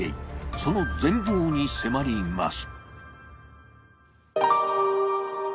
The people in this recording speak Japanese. その全貌に迫ります。